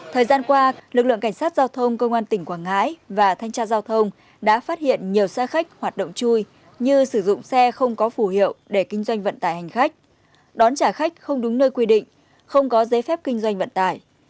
thời gian qua lực lượng cảnh sát giao thông công an tỉnh quảng ngãi và thanh tra giao thông đã phát hiện nhiều xe khách hoạt động chui như sử dụng xe không có phủ hiệu để kinh doanh vận tải hành khách đón trả khách không đúng nơi quy định không có giấy phép kinh doanh vận tải